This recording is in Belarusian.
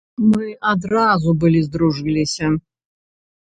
Мы адразу былі здружыліся.